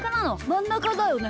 まんなかだよね？